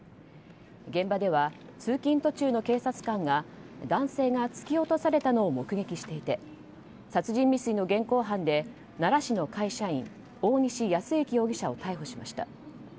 現場では通勤途中の警察官が男性が突き落とされたのを目撃していて殺人未遂の現行犯で奈良市の会社員大西康介容疑者を逮捕しました。